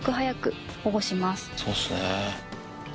そうっすね。